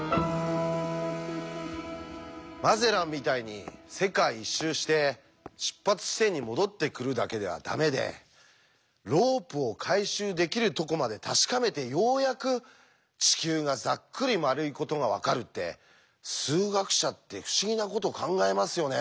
マゼランみたいに世界一周して出発地点に戻ってくるだけではダメでロープを回収できるとこまで確かめてようやく地球がざっくり丸いことが分かるって数学者って不思議なこと考えますよね。